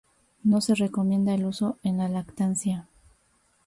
No se recomienda el uso en la lactancia.